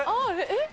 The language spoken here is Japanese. えっ？